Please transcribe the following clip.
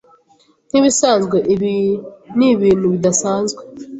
nkibisanzwe ibi ni ibintu bidasanzwe